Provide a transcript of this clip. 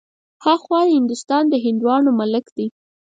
ها خوا هندوستان د هندوانو ملک دی.